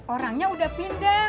orangnya udah pindah